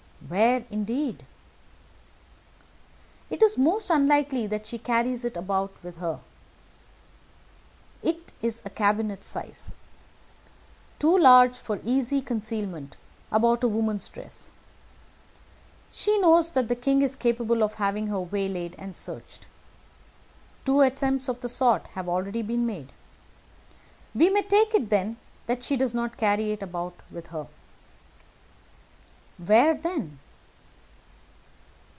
"Where, indeed?" "It is most unlikely that she carries it about with her. It is cabinet size. Too large for easy concealment about a woman's dress. She knows that the king is capable of having her waylaid and searched. Two attempts of the sort have already been made. We may take it, then, that she does not carry it about with her." "Where, then?"